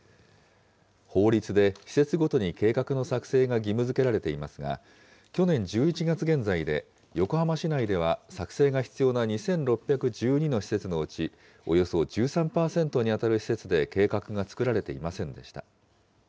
法律で施設ごとに計画の作成が義務づけられていますが、去年１１月現在で、横浜市内では作成が必要な２６１２の施設のうち、およそ１３％に当たる施設で計画が作られていませんでした。